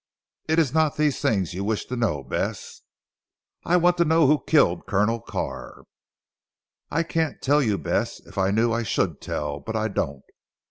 "It is not these things you wish to know Bess?" "I want to know who killed Colonel Carr?" "I can't tell you Bess. If I knew I should tell. But I don't.